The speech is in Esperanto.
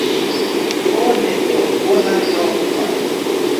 Bone do, bonan nokton!